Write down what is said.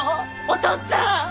おとっつぁん。